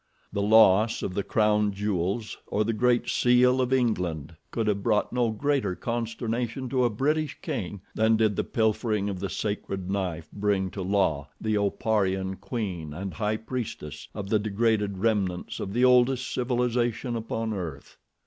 The loss of the crown jewels or the Great Seal of England could have brought no greater consternation to a British king than did the pilfering of the sacred knife bring to La, the Oparian, Queen and High Priestess of the degraded remnants of the oldest civilization upon earth.